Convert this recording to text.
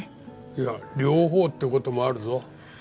いや両方って事もあるぞ。